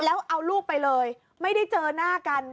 แล้วเอาลูกไปเลยไม่ได้เจอหน้ากัน